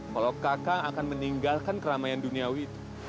kalau kakak akan meninggalkan keramaian duniawi itu